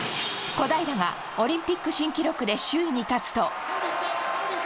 小平がオリンピック新記録で首位に立つと。